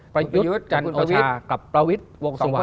ประยุทธ์จันทร์โอชากับประวิทธิ์วงสุวรรณ